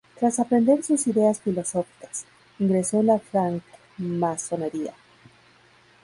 Tras aprender sus ideas filosóficas, ingresó en la francmasonería.